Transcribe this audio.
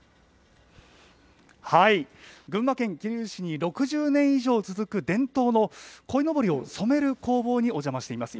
群馬県桐生市に、６０年以上続く、伝統のこいのぼりを染める工房にお邪魔しています。